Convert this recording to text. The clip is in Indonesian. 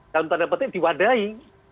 dalam tanda penting diwadai